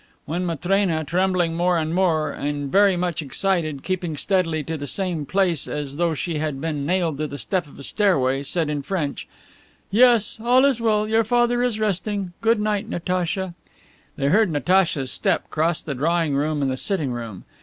Then Matrena, trembling more and more, and very much excited keeping steadily to the same place as though she had been nailed to the step of the stairway, said in French, "Yes, all is well; your father is resting. Good night, Natacha." They heard Natacha's step cross the drawing room and the sitting room.